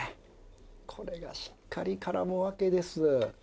これがしっかり絡むわけです。